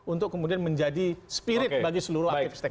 untuk kemudian menjadi spirit bagi seluruh aktivis